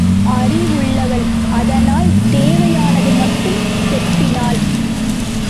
அறிவுள்ளவள் அதனால் தேவையானது மட்டும் செப்பினாள்.